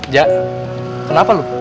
ja kenapa lu